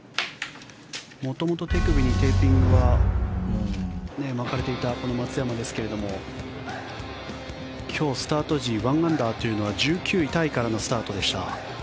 元々、手首にテーピングは巻かれていたこの松山ですが今日、スタート時１アンダーというのは１９位タイからのスタートでした。